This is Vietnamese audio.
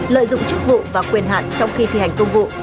lợi dụng chức vụ và quyền hạn trong khi thi hành công vụ